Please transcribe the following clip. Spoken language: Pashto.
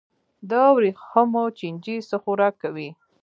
د وریښمو چینجی څه خوراک کوي؟